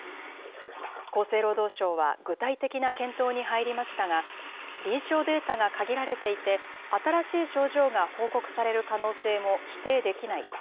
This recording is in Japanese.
厚生労働省は、具体的な検討に入りましたが、臨床データが限られていて、新しい症状が報告される可能性も否定できない。